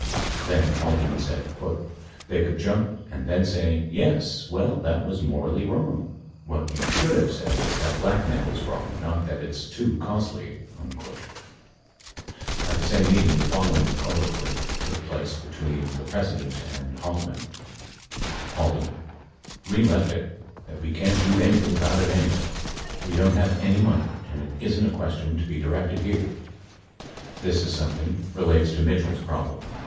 Then Haldeman said: "They could jump and then say, 'Yes, well that was morally wrong. What you should have said is that blackmail is wrong not that it's too costly.' " 24 At the same meeting, the following colloquy took place between the President and Haldeman : 23 7 Hearings 2853. 24 Edited Presidential Conversations, p. 1034. 62 H. We left it — that we can't do anything about it anyway. We don't have any money, and it isn't a question to be directed here. This is something relates to Mitchell's problem.